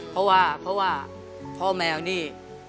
เพราะว่าพ่อแมวนี่